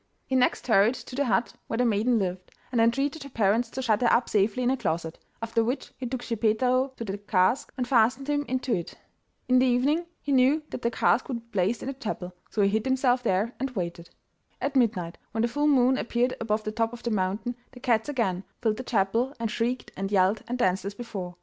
He next hurried to the hut where the maiden lived, and entreated her parents to shut her up safely in a closet, after which he took Schippeitaro to the cask, and fastened him into it. In the evening he knew that the cask would be placed in the chapel, so he hid himself there and waited. At midnight, when the full moon appeared above the top of the mountain, the cats again filled the chapel and shrieked and yelled and danced as before.